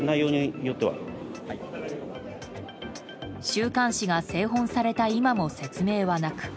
週刊誌が製本された今も説明はなく